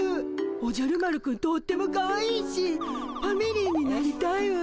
おじゃる丸くんとってもかわいいしファミリーになりたいわ。